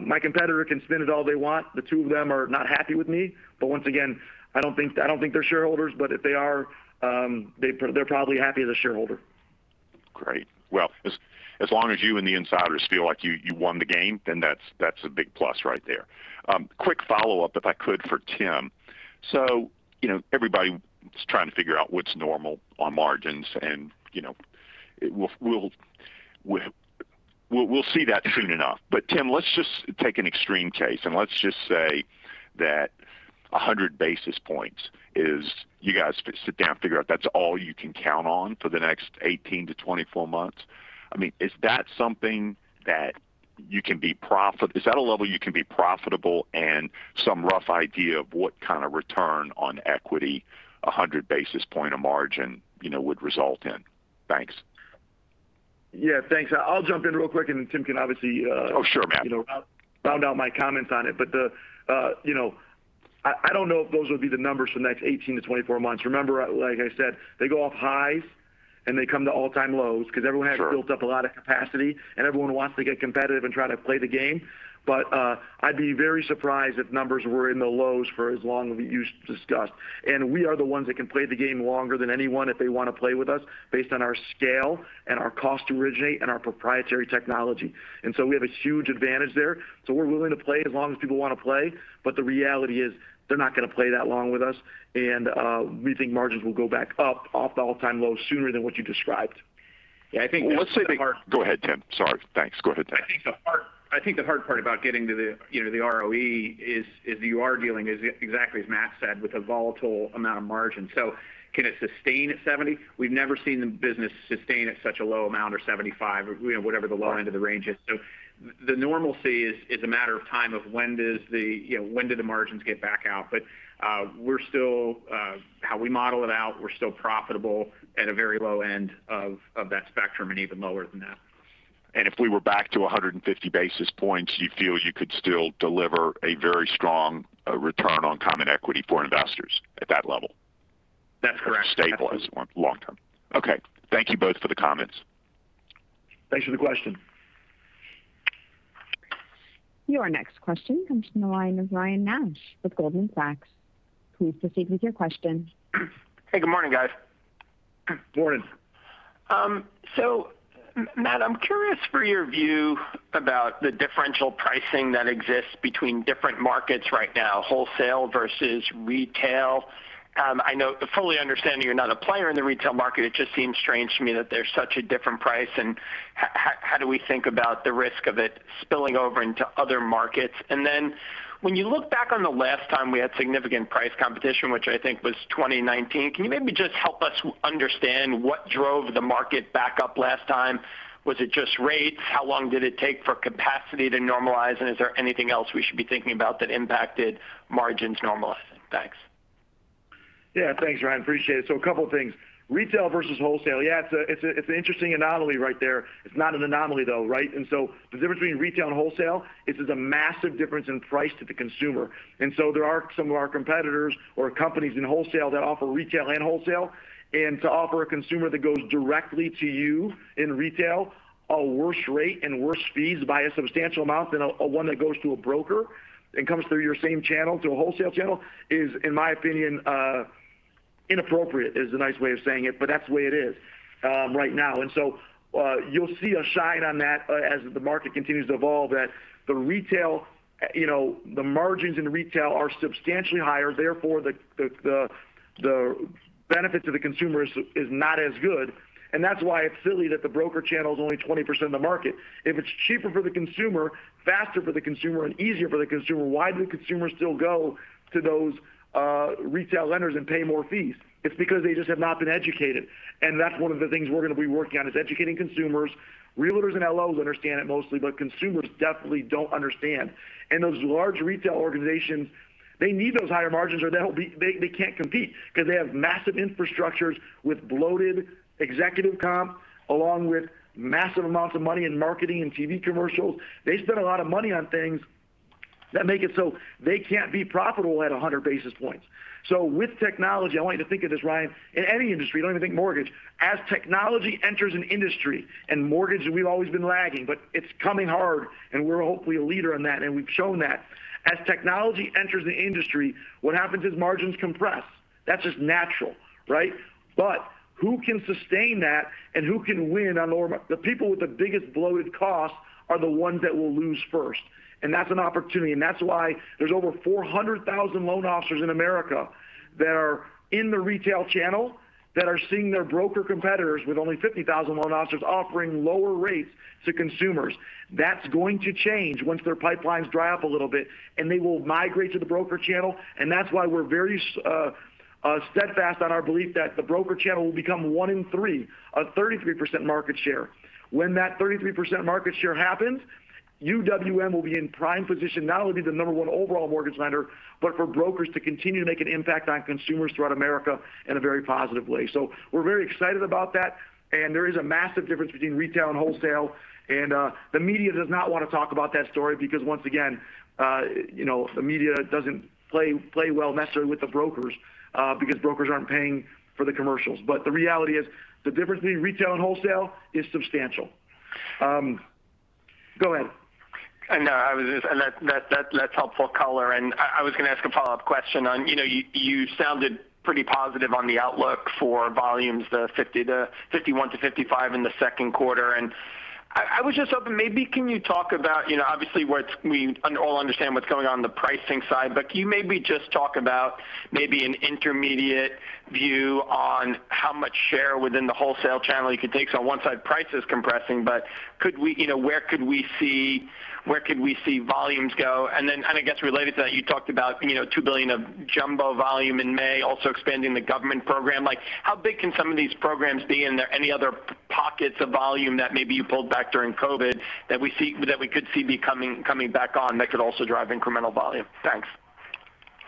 My competitor can spin it all they want. The two of them are not happy with me. Once again, I don't think they're shareholders, but if they are, they're probably happy as a shareholder. Great. Well, as long as you and the insiders feel like you won the game, then that's a big plus right there. Quick follow-up, if I could, for Tim. Everybody's trying to figure out what's normal on margins, and we'll see that soon enough. Tim, let's just take an extreme case, and let's just say that 100 basis points is you guys sit down and figure out that's all you can count on for the next 18-24 months. I mean, is that a level you can be profitable and some rough idea of what kind of return on equity, 100 basis points of margin would result in? Thanks. Yeah, thanks. I'll jump in real quick, and then Tim can obviously. Oh, sure, Mat. Round out my comments on it. I don't know if those would be the numbers for the next 18-24 months. Remember, like I said, they go off highs and they come to all-time lows. Sure Built up a lot of capacity, and everyone wants to get competitive and try to play the game. I'd be very surprised if numbers were in the lows for as long as you discussed. We are the ones that can play the game longer than anyone if they want to play with us based on our scale and our cost to originate and our proprietary technology. We have a huge advantage there. We're willing to play as long as people want to play, but the reality is they're not going to play that long with us. We think margins will go back up off the all-time lows sooner than what you described. Yeah, I think. Well. Go ahead, Tim. Sorry. Thanks. Go ahead, Tim. I think the hard part about getting to the ROE is you are dealing, exactly as Mat said, with a volatile amount of margin. Can it sustain at 70? We've never seen the business sustain at such a low amount or 75 basis points, whatever the low end of the range is. The normalcy is a matter of time of when do the margins get back out. How we model it out, we're still profitable at a very low end of that spectrum and even lower than that. If we were back to 150 basis points, you feel you could still deliver a very strong return on common equity for investors at that level? That's correct. Stabilize long-term. Okay. Thank you both for the comments. Thanks for the question. Your next question comes from the line of Ryan Nash with Goldman Sachs. Please proceed with your question. Hey, good morning, guys. Morning. Mat, I'm curious for your view about the differential pricing that exists between different markets right now, wholesale versus retail. I fully understand that you're not a player in the retail market. It just seems strange to me that there's such a different price, and how do we think about the risk of it spilling over into other markets? Then when you look back on the last time we had significant price competition, which I think was 2019, can you maybe just help us understand what drove the market back up last time? Was it just rates? How long did it take for capacity to normalize? And is there anything else we should be thinking about that impacted margins normalizing? Thanks. Thanks, Ryan, appreciate it. A couple of things. Retail versus wholesale. It's an interesting anomaly right there. It's not an anomaly, though, right? The difference between retail and wholesale, it's just a massive difference in price to the consumer. So there are some of our competitors or companies in wholesale that offer retail and wholesale. To offer a consumer that goes directly to you in retail a worse rate and worse fees by a substantial amount than a one that goes to a broker and comes through your same channel to a wholesale channel is, in my opinion, inappropriate is a nice way of saying it, but that's the way it is right now. You'll see a shine on that as the market continues to evolve, that the margins in retail are substantially higher, therefore the benefit to the consumer is not as good. That's why it's silly that the broker channel's only 20% of the market. If it's cheaper for the consumer, faster for the consumer, and easier for the consumer, why do the consumers still go to those retail lenders and pay more fees? It's because they just have not been educated. That's one of the things we're going to be working on, is educating consumers. Realtors and LOs understand it mostly, but consumers definitely don't understand. Those large retail organizations, they need those higher margins, or they can't compete, because they have massive infrastructures with bloated executive comp, along with massive amounts of money in marketing and TV commercials. They spend a lot of money on things that make it so they can't be profitable at 100 basis points. With technology, I want you to think of this, Ryan, in any industry, you don't even think mortgage, as technology enters an industry, and mortgage, we've always been lagging, but it's coming hard and we're hopefully a leader in that, and we've shown that. As technology enters the industry, what happens is margins compress. That's just natural, right? But who can sustain that and who can win. The people with the biggest bloated costs are the ones that will lose first. That's an opportunity, and that's why there's over 400,000 loan officers in America that are in the retail channel that are seeing their broker competitors with only 50,000 loan officers offering lower rates to consumers. That's going to change once their pipelines dry up a little bit. They will migrate to the broker channel. That's why we're very steadfast on our belief that the broker channel will become one in three, a 33% market share. When that 33% market share happens, UWM will be in prime position not only to be the number one overall mortgage lender, but for brokers to continue to make an impact on consumers throughout America in a very positive way. We're very excited about that. There is a massive difference between retail and wholesale. The media does not want to talk about that story because once again, the media doesn't play well necessarily with the brokers, because brokers aren't paying for the commercials. The reality is, the difference between retail and wholesale is substantial. Go ahead. That's helpful color, and I was going to ask a follow-up question on, you sounded pretty positive on the outlook for volumes, the $51 billion-$55 billion in the second quarter, and I was just hoping maybe can you talk about, obviously we all understand what's going on in the pricing side, but can you maybe just talk about maybe an intermediate view on how much share within the wholesale channel you can take? On one side price is compressing, but where could we see volumes go? Then I guess related to that, you talked about $2 billion of jumbo volume in May, also expanding the government program. How big can some of these programs be, and are there any other pockets of volume that maybe you pulled back during COVID that we could see coming back on that could also drive incremental volume? Thanks.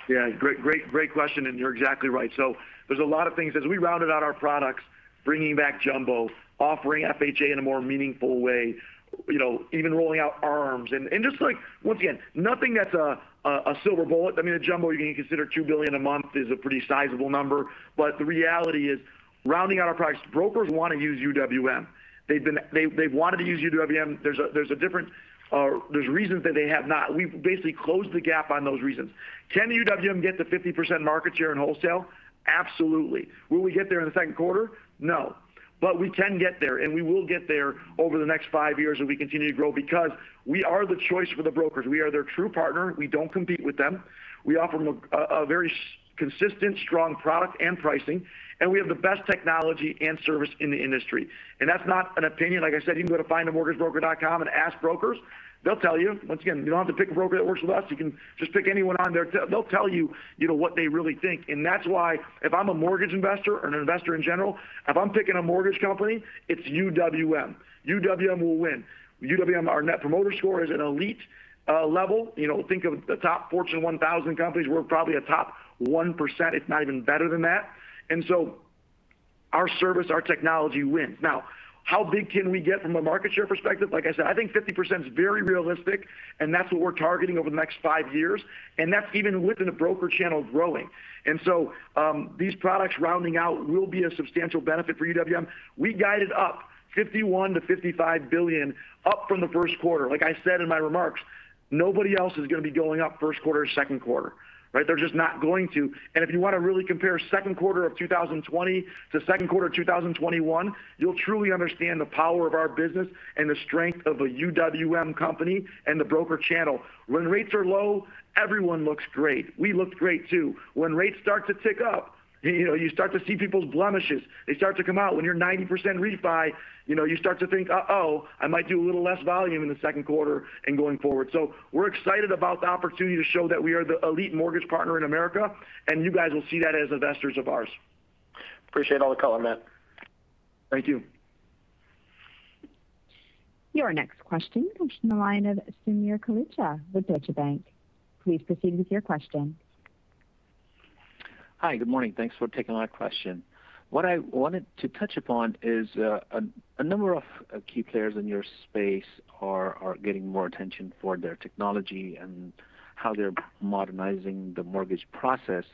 Yeah. Great question, and you're exactly right. There's a lot of things. As we rounded out our products, bringing back jumbo, offering FHA in a more meaningful way, even rolling out ARMs. Just once again, nothing that's a silver bullet. A jumbo, you can consider $2 billion a month is a pretty sizable number. But the reality is, rounding out our products. Brokers want to use UWM. They've wanted to use UWM. There's reasons that they have not. We've basically closed the gap on those reasons. Can UWM get to 50% market share in wholesale? Absolutely. Will we get there in the second quarter? No. We can get there, and we will get there over the next five years as we continue to grow because we are the choice for the brokers. We are their true partner. We don't compete with them. We offer them a very consistent, strong product and pricing. We have the best technology and service in the industry. That's not an opinion. Like I said, you can go to findamortgagebroker.com and ask brokers. They'll tell you. Once again, you don't have to pick a broker that works with us. You can just pick anyone on there. They'll tell you what they really think. That's why if I'm a mortgage investor or an investor in general, if I'm picking a mortgage company, it's UWM. UWM will win. UWM, our Net Promoter Score is an elite level. Think of the top Fortune 1000 companies. We're probably a top 1%, if not even better than that. Our service, our technology wins. Now, how big can we get from a market share perspective? Like I said, I think 50% is very realistic, and that's what we're targeting over the next five years. That's even within the broker channel growing. These products rounding out will be a substantial benefit for UWM. We guided up $51 billion-$55 billion up from the first quarter. Like I said in my remarks, nobody else is going to be going up first quarter or second quarter. Right? They're just not going to. If you want to really compare second quarter of 2020 to second quarter of 2021, you'll truly understand the power of our business and the strength of a UWM company and the broker channel. When rates are low, everyone looks great. We look great, too. When rates start to tick up, you start to see people's blemishes. They start to come out. When you're 90% refi, you start to think, "Uh-oh, I might do a little less volume in the second quarter and going forward." We're excited about the opportunity to show that we are the elite mortgage partner in America, and you guys will see that as investors of ours. Appreciate all the color, Mat. Thank you. Your next question comes from the line of Sameer Kalucha with Deutsche Bank. Please proceed with your question. Hi, good morning. Thanks for taking my question. What I wanted to touch upon is a number of key players in your space are getting more attention for their technology and how they're modernizing the mortgage process.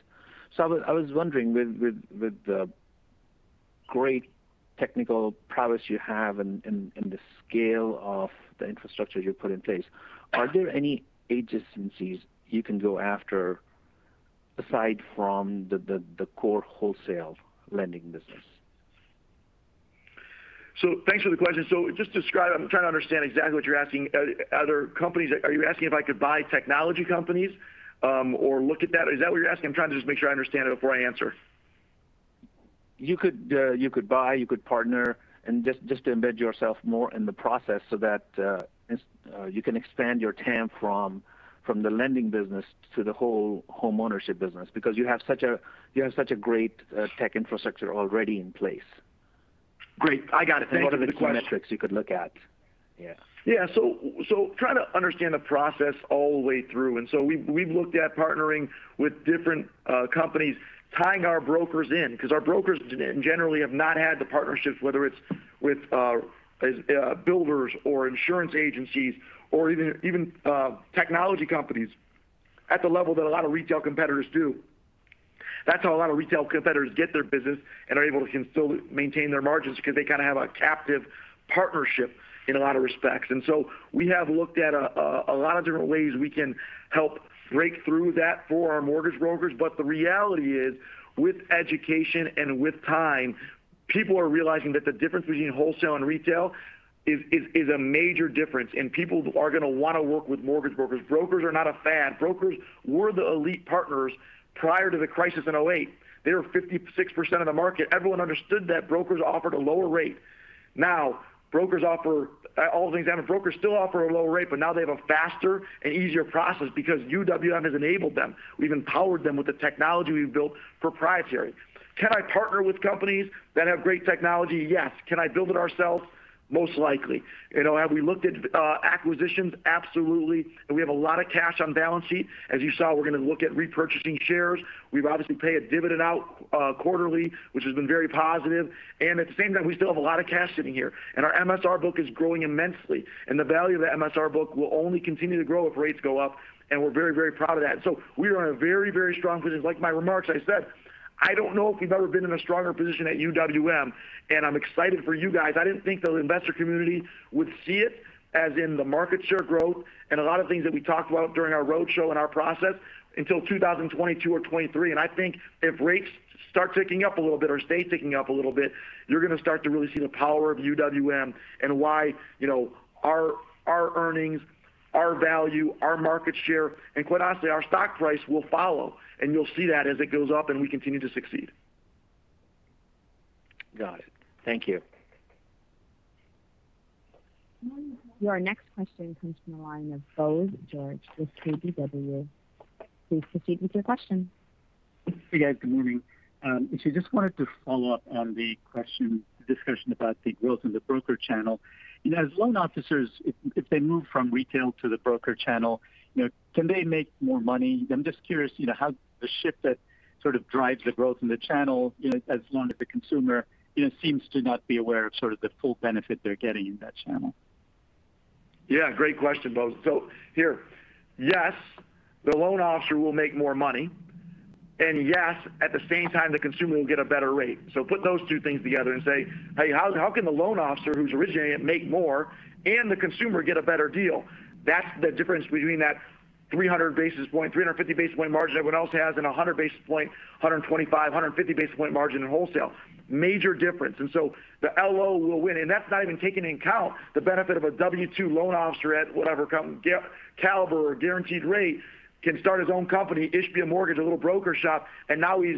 I was wondering, with the great technical prowess you have and the scale of the infrastructure you've put in place, are there any agencies you can go after aside from the core wholesale lending business? Thanks for the question. Just to describe, I'm trying to understand exactly what you're asking. Are you asking if I could buy technology companies, or look at that? Is that what you're asking? I'm trying to just make sure I understand it before I answer. You could buy, you could partner, and just embed yourself more in the process so that you can expand your TAM from the lending business to the whole homeownership business, because you have such a great tech infrastructure already in place. Great. I got it. Thank you for the question. A lot of the key metrics you could look at. Yeah. Yeah. So trying to understand the process all the way through. We've looked at partnering with different companies, tying our brokers in, because our brokers generally have not had the partnerships, whether it's with builders or insurance agencies, or even technology companies, at the level that a lot of retail competitors do. That's how a lot of retail competitors get their business and are able to still maintain their margins because they kind of have a captive partnership in a lot of respects. We have looked at a lot of different ways we can help break through that for our mortgage brokers. The reality is, with education and with time, people are realizing that the difference between wholesale and retail is a major difference, and people are going to want to work with mortgage brokers. Brokers are not a fad. Brokers were the elite partners prior to the crisis in 2008. They were 56% of the market. Everyone understood that brokers offered a lower rate. Now, brokers offer all the things. Brokers still offer a lower rate, but now they have a faster and easier process because UWM has enabled them. We've empowered them with the technology we've built proprietary. Can I partner with companies that have great technology? Yes. Can I build it ourselves? Most likely. Have we looked at acquisitions? Absolutely, we have a lot of cash on balance sheet. As you saw, we're going to look at repurchasing shares. We obviously pay a dividend out quarterly, which has been very positive. At the same time, we still have a lot of cash sitting here. Our MSR book is growing immensely, and the value of that MSR book will only continue to grow if rates go up, and we're very, very proud of that. We are in a very strong position. Like my remarks, I said, I don't know if we've ever been in a stronger position at UWM, and I'm excited for you guys. I didn't think the investor community would see it as in the market share growth and a lot of things that we talked about during our roadshow and our process until 2022 or 2023. I think if rates start ticking up a little bit or stay ticking up a little bit, you're going to start to really see the power of UWM and why our earnings, our value, our market share, and quite honestly, our stock price will follow. You'll see that as it goes up and we continue to succeed. Got it. Thank you. Your next question comes from the line of Bose George with KBW. Please proceed with your question. Hey, guys. Good morning. Actually, just wanted to follow up on the question, discussion about the growth in the broker channel. As loan officers, if they move from retail to the broker channel, can they make more money? I'm just curious how the shift that sort of drives the growth in the channel, as long as the consumer seems to not be aware of sort of the full benefit they're getting in that channel. Yeah, great question, Bose. So here, yes, the loan officer will make more money, and yes, at the same time, the consumer will get a better rate. Put those two things together and say, "Hey, how can the loan officer who's originating it make more, and the consumer get a better deal?" That's the difference between that 300 basis points, 350 basis points margin everyone else has and 100 basis points, 125 basis points, 150 basis points margin in wholesale. Major difference. The LO will win. That's not even taking into account the benefit of a W2 loan officer at whatever Caliber or Guaranteed Rate can start his own company, issue a mortgage, a little broker shop, and now he's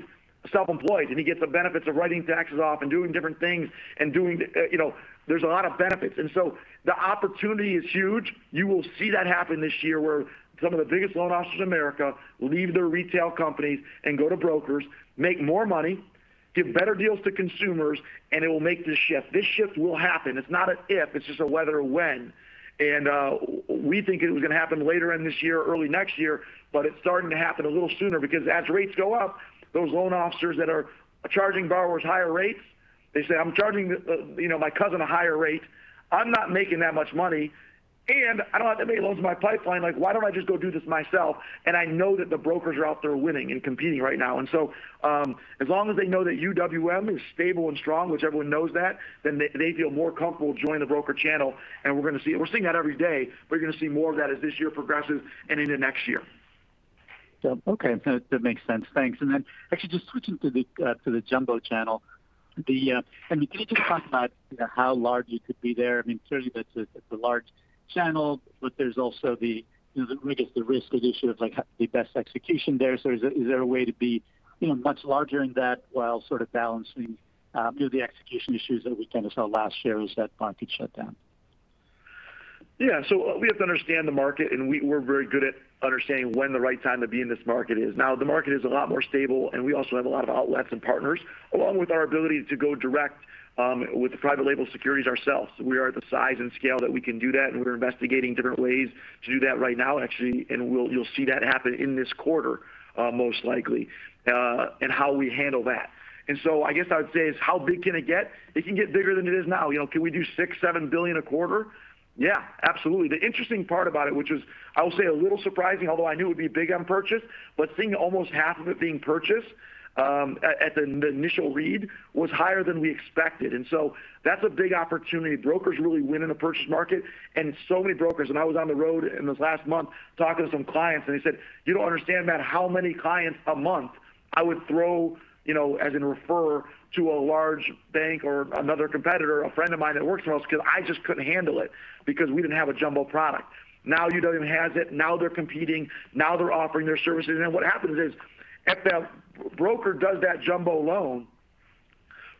self-employed, and he gets the benefits of writing taxes off and doing different things. There's a lot of benefits. The opportunity is huge. You will see that happen this year where some of the biggest loan officers in America leave their retail companies and go to brokers, make more money, give better deals to consumers. It will make this shift. This shift will happen. It's not an if, it's just a whether or when. We think it was going to happen later in this year or early next year, but it's starting to happen a little sooner because as rates go up, those loan officers that are charging borrowers higher rates, they say, "I'm charging my cousin a higher rate. I'm not making that much money, and I don't have that many loans in my pipeline. Why don't I just go do this myself?" I know that the brokers are out there winning and competing right now. As long as they know that UWM is stable and strong, which everyone knows that, then they feel more comfortable joining the broker channel. We're seeing that every day. We're going to see more of that as this year progresses and into next year. Okay. That makes sense. Thanks. Actually just switching to the jumbo channel. Can you just talk about how large you could be there? I mean, clearly that's a large channel, there's also the risk addition of the best execution there. Is there a way to be much larger in that while sort of balancing the execution issues that we kind of saw last year as that market shut down? Yeah. So we have to understand the market, and we're very good at understanding when the right time to be in this market is. Now, the market is a lot more stable, and we also have a lot of outlets and partners, along with our ability to go direct with the private label securities ourselves. We are at the size and scale that we can do that, and we're investigating different ways to do that right now, actually, and you'll see that happen in this quarter, most likely, and how we handle that. I guess I would say is how big can it get? It can get bigger than it is now. Can we do $6 billion-$7 billion a quarter? Yeah, absolutely. The interesting part about it, which was I would say a little surprising, although I knew it would be big on purchase, but seeing almost half of it being purchased at the initial read was higher than we expected. That's a big opportunity. Brokers really win in a purchase market. Many brokers, and I was on the road in this last month talking to some clients, and they said, "You don't understand, Mat, how many clients a month I would throw, as in refer, to a large bank or another competitor," a friend of mine that works for us, "because I just couldn't handle it because we didn't have a jumbo product." Now UWM has it. Now they're competing. Now they're offering their services. What happens is, if that broker does that jumbo loan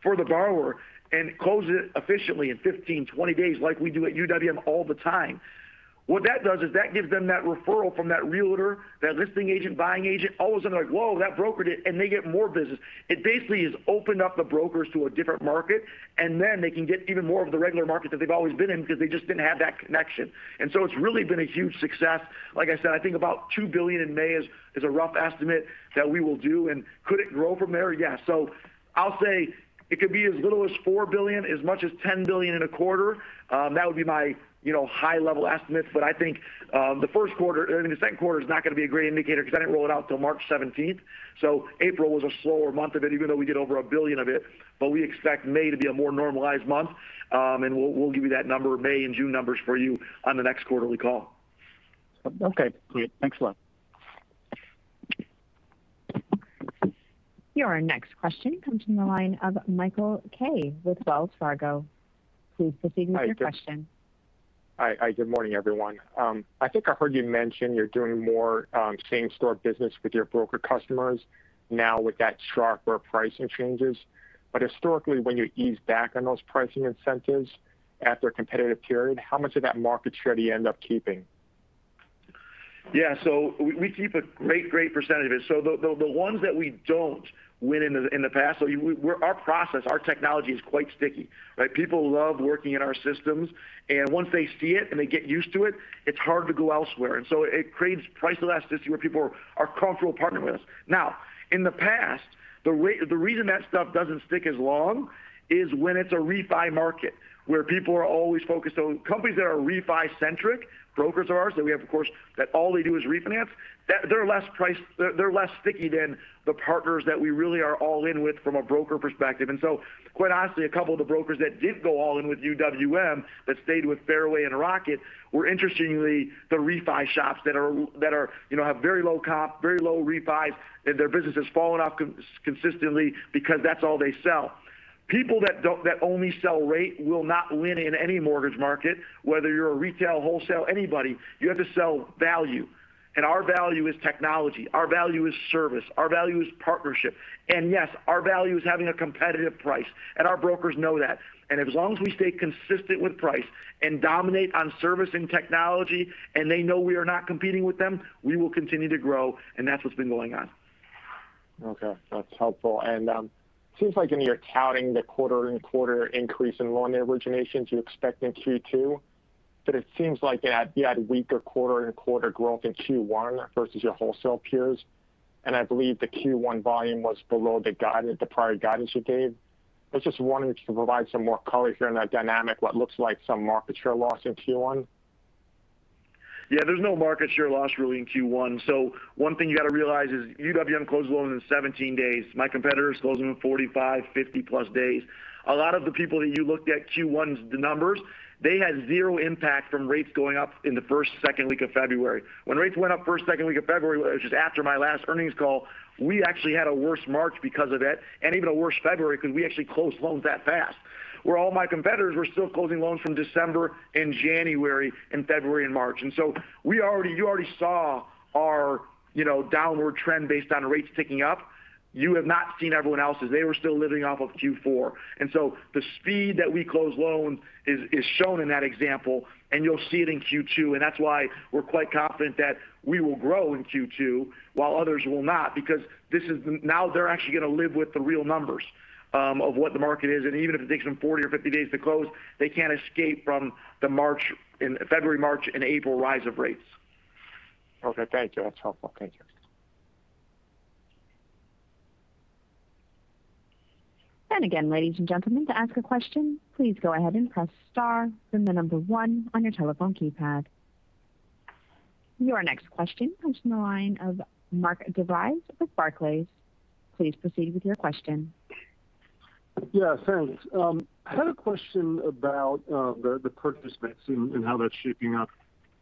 for the borrower and closes it efficiently in 15 days, 20 days like we do at UWM all the time, what that does is that gives them that referral from that realtor, that listing agent, buying agent. All of a sudden they're like, "Whoa, that broker did it," and they get more business. It basically has opened up the brokers to a different market, and then they can get even more of the regular market that they've always been in because they just didn't have that connection. It's really been a huge success. Like I said, I think about $2 billion in May is a rough estimate that we will do. Could it grow from there? Yeah. I'll say it could be as little as $4 billion as much as $10 billion in a quarter. That would be my high-level estimates. I think the first quarter, I mean, the second quarter is not going to be a great indicator because I didn't roll it out until March 17th. April was a slower month of it, even though we did over $1 billion of it. We expect May to be a more normalized month. We'll give you that number, May and June numbers for you on the next quarterly call. Okay. Great. Thanks a lot. Your next question comes from the line of Michael Kaye with Wells Fargo. Please proceed with your question. Hi. Good morning, everyone. I think I heard you mention you're doing more same-store business with your broker customers now with that sharper pricing changes. Historically, when you ease back on those pricing incentives after a competitive period, how much of that market share do you end up keeping? We keep a great percentage of it. The ones that we don't win in the past, our process, our technology is quite sticky, right? People love working in our systems, and once they see it and they get used to it's hard to go elsewhere. So it creates price elasticity where people are comfortable partnering with us. Now, in the past, the reason that stuff doesn't stick as long is when it's a refi market, where people are always focused on companies that are refi-centric, brokers of ours that we have, of course, that all they do is refinance. They're less sticky than the partners that we really are All-In with from a broker perspective. Quite honestly, a couple of the brokers that did go All-In with UWM, that stayed with Fairway and Rocket, were interestingly the refi shops that have very low comp, very low refi's, and their business has fallen off consistently because that's all they sell. People that only sell rate will not win in any mortgage market, whether you're a retail, wholesale, anybody. You have to sell value. Our value is technology. Our value is service. Our value is partnership. Yes, our value is having a competitive price. Our brokers know that. As long as we stay consistent with price and dominate on service and technology, and they know we are not competing with them, we will continue to grow. That's what's been going on. Okay. That's helpful. It seems like, I mean, you're counting the quarter-over-quarter increase in loan originations you expect in Q2, but it seems like you had weaker quarter-over-quarter growth in Q1 versus your wholesale peers. I believe the Q1 volume was below the prior guidance you gave. I was just wondering if you could provide some more color here on that dynamic, what looks like some market share loss in Q1? Yeah, there's no market share loss really in Q1. One thing you got to realize is UWM closed loans in 17 days. My competitors closed them in 45 days-50+ days. A lot of the people that you looked at Q1's numbers, they had zero impact from rates going up in the first, second week of February. When rates went up first, second week of February, which was after my last earnings call, we actually had a worse March because of it, and even a worse February because we actually closed loans that fast, where all my competitors were still closing loans from December and January and February and March. You already saw our downward trend based on rates ticking up. You have not seen everyone else's. They were still living off of Q4. The speed that we close loans is shown in that example, and you'll see it in Q2, and that's why we're quite confident that we will grow in Q2 while others will not. Now they're actually going to live with the real numbers of what the market is, and even if it takes them 40 days or 50 days to close, they can't escape from the February, March, and April rise of rates. Okay. Thank you. That's helpful. Thank you. Then, again ladies and gentlemen to ask a question, please go ahead and press star, then number one on your telephone keypad. Your next question comes from the line of Mark DeVries with Barclays. Please proceed with your question. Yeah, thanks. I had a question about the purchase mix and how that's shaping up.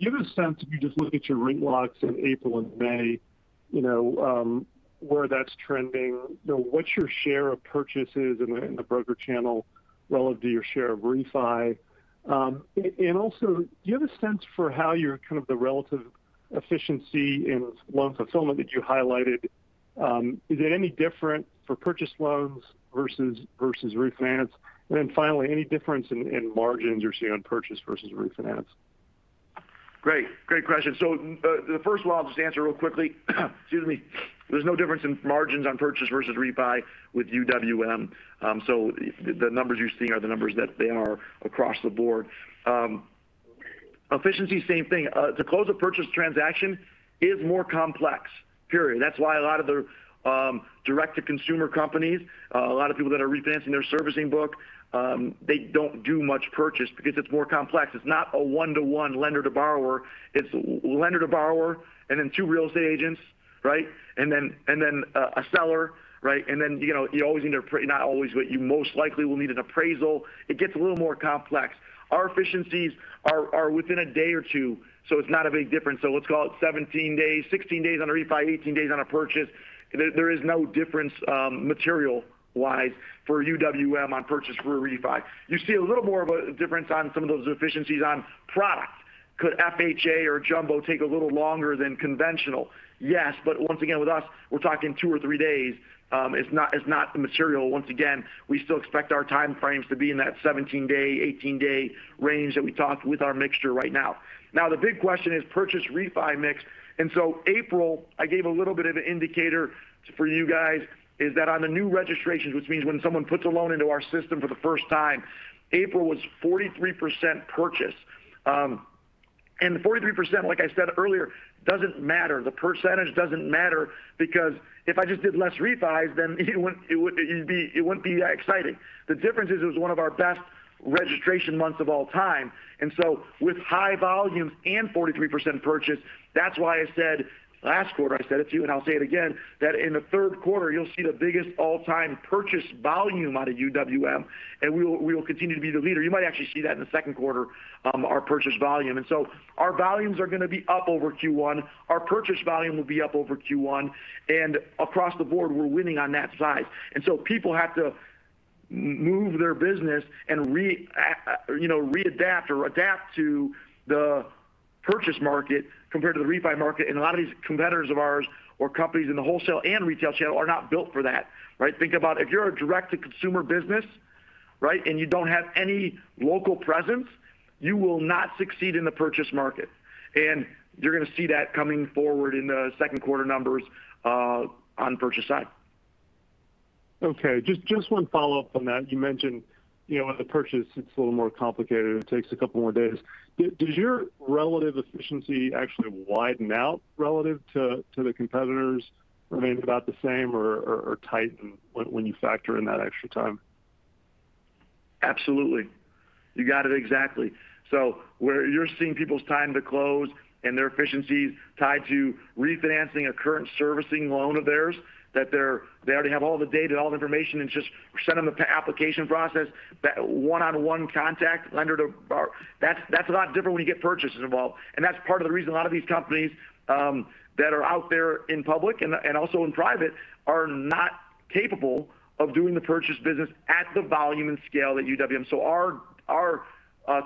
Do you have a sense, if you just look at your rate locks in April and May, where that's trending? What's your share of purchases in the broker channel relative to your share of refi? Also, do you have a sense for how your kind of the relative efficiency in loan fulfillment that you highlighted, is it any different for purchase loans versus refinance? Finally, any difference in margins you're seeing on purchase versus refinance? Great question. First of all, I'll just answer real quickly. Excuse me. There's no difference in margins on purchase versus refi with UWM. The numbers you're seeing are the numbers that they are across the board. Efficiency, same thing. To close a purchase transaction is more complex, period. That's why a lot of the direct-to-consumer companies, a lot of people that are refinancing their servicing book, they don't do much purchase because it's more complex. It's not a one-to-one lender to borrower. It's lender to borrower, and then two real estate agents, and then a seller. You always need an appraisal, not always, but you most likely will need an appraisal. It gets a little more complex. Our efficiencies are within a day or two, so it's not a big difference. Let's call it 17 days, 16 days on a refi, 18 days on a purchase. There is no difference material-wise for UWM on purchase for a refi. You see a little more of a difference on some of those efficiencies on product. Could FHA or Jumbo take a little longer than conventional? Yes, once again, with us, we're talking two or three days. It's not the material. Once again, we still expect our time frames to be in that 17-day-18-day range that we talked with our mixture right now. The big question is purchase refi mix. April, I gave a little bit of an indicator for you guys, is that on the new registrations, which means when someone puts a loan into our system for the first time, April was 43% purchase. The 43%, like I said earlier, doesn't matter. The percentage doesn't matter because if I just did less refi's, then it wouldn't be that exciting. The difference is it was one of our best registration months of all time. With high volumes and 43% purchase, that's why last quarter I said it to you, and I'll say it again, that in the third quarter you'll see the biggest all-time purchase volume out of UWM, and we will continue to be the leader. You might actually see that in the second quarter, our purchase volume. Our volumes are going to be up over Q1. Our purchase volume will be up over Q1, and across the board, we're winning on that side. People have to move their business and readapt or adapt to the purchase market compared to the refi market. A lot of these competitors of ours, or companies in the wholesale and retail channel are not built for that. Think about if you're a direct-to-consumer business, right? And you don't have any local presence, you will not succeed in the purchase market. You're going to see that coming forward in the second quarter numbers on purchase side. Okay, just one follow-up on that. You mentioned on the purchase it is a little more complicated and it takes a couple more days. Does your relative efficiency actually widen out relative to the competitors, remain about the same or tighten when you factor in that extra time? Absolutely. You got it, exactly. Where you're seeing people's time to close and their efficiencies tied to refinancing a current servicing loan of theirs, that they already have all the data, all the information, and just send them the application process. That one-on-one contact lender to borrower. That's a lot different when you get purchases involved. That's part of the reason a lot of these companies that are out there in public and also in private are not capable of doing the purchase business at the volume and scale that UWM. Our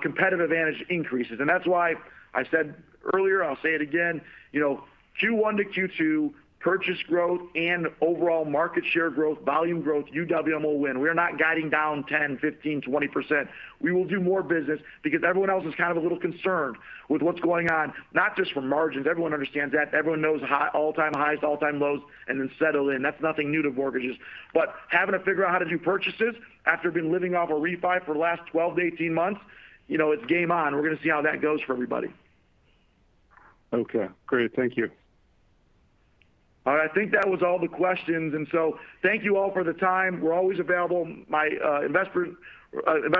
competitive advantage increases. That's why I said earlier, I'll say it again, Q1 to Q2, purchase growth and overall market share growth, volume growth, UWM will win. We are not guiding down 10%, 15%, 20%. We will do more business because everyone else is kind of a little concerned with what's going on, not just from margins. Everyone understands that. Everyone knows all-time highs, all-time lows, and then settle in. That's nothing new to mortgages. Having to figure out how to do purchases after being living off a refi for the last 12 months to 18 months, it's game on. We're going to see how that goes for everybody. Okay, great. Thank you. All right. I think that was all the questions. Thank you all for the time. We're always available. My Investor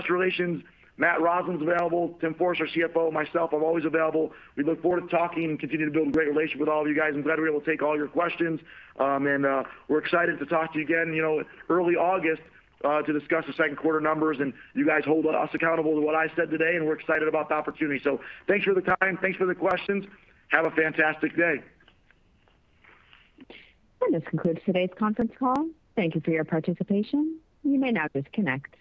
Relations, Matt Roslin's available. Tim Forrester, CFO, myself, I'm always available. We look forward to talking and continue to build a great relationship with all of you guys. I'm glad we were able to take all your questions. We're excited to talk to you again early August to discuss the second quarter numbers. You guys hold us accountable to what I said today, and we're excited about the opportunity. Thanks for the time. Thanks for the questions. Have a fantastic day. This concludes today's conference call. Thank you for your participation. You may now disconnect.